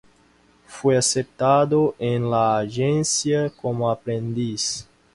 Fue aceptado en la agencia como aprendiz.